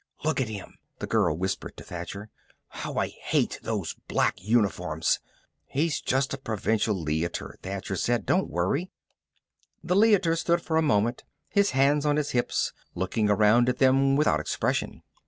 "Look at him," the girl whispered to Thacher. "How I hate those black uniforms!" "He's just a Provincial Leiter," Thacher said. "Don't worry." The Leiter stood for a moment, his hands on his hips, looking around at them without expression.